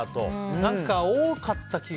何か多かった気が。